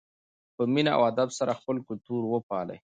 په مینه او ادب سره خپل کلتور وپالئ.